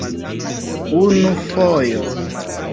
Unu fojo.